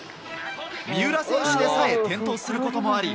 三浦選手でさえ転倒することもあり